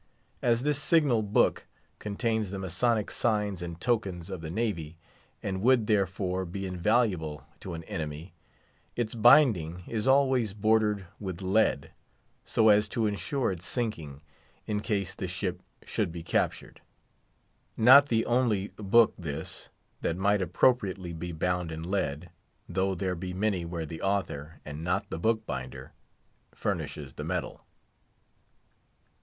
As this signal book contains the Masonic signs and tokens of the navy, and would therefore be invaluable to an enemy, its binding is always bordered with lead, so as to insure its sinking in case the ship should be captured. Not the only book this, that might appropriately be bound in lead, though there be many where the author, and not the bookbinder, furnishes the metal.